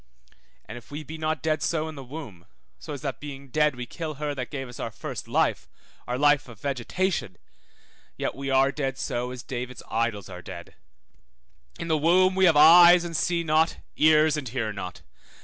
And if we be not dead so in the womb, so as that being dead we kill her that gave us our first life, our life of vegetation, yet we are dead so as David's idols are dead. In the womb we have eyes and see not, ears and hear not.